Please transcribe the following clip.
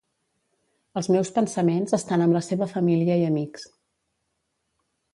Els meus pensaments estan amb la seva família i amics.